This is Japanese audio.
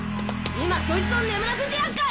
今そいつを眠らせてやっから？